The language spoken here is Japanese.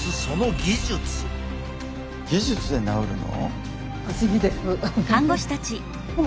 技術で治るの？